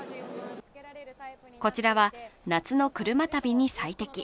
こちらは夏の車旅に最適。